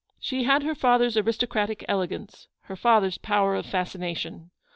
She had her father's aristocratic elegance, her father's power of fascination.